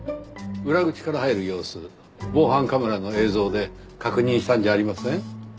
裏口から入る様子防犯カメラの映像で確認したんじゃありません？